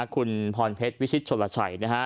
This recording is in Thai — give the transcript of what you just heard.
คุณพรเพชรวิชิตชนลชัยนะฮะ